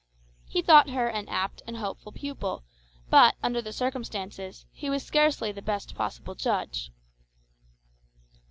He thought her an apt and hopeful pupil, but, under the circumstances, he was scarcely the best possible judge.